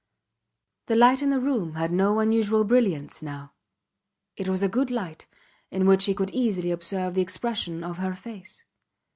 The light in the room had no unusual brilliance now; it was a good light in which he could easily observe the expression of her face.